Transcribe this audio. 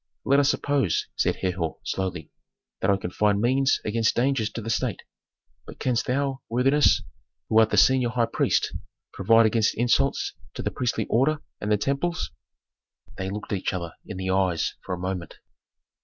"Let us suppose," said Herhor, slowly, "that I can find means against dangers to the state. But canst thou, worthiness, who art the senior high priest, provide against insults to the priestly order and the temples?" They looked each other in the eyes for a moment.